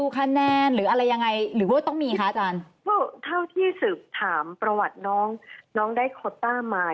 เพราะเท่าที่สืบถามประวัติน้องน้องได้โคตรต้ามา